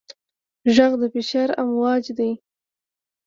غږ د فشار امواج دي.